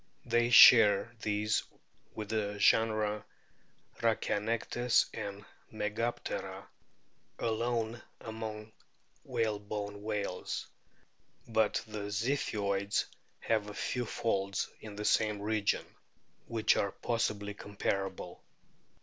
They share these with the genera Rhachianectes and Megaptera alone among whalebone whales ; but the Ziphioids have a few folds in the same region, which are possibly comparable.